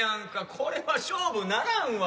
これは勝負ならんわ。